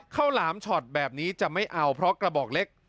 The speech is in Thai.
หลามช็อตแบบนี้จะไม่เอาเพราะกระบอกเล็ก